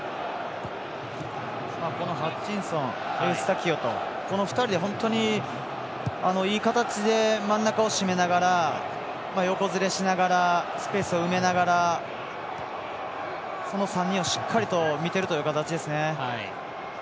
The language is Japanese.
ハッチンソンエウスタキオ、この２人でいい感じで真ん中をしめながら横ずれしながらスペースをうめながらその３人をしっかりと見てる形ですね。